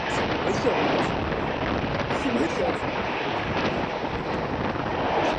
ごねたって何も出て来やしないよ